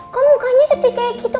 kok mukanya sedih kayak gitu